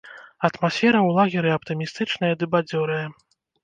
Атмасфера ў лагеры аптымістычная ды бадзёрая.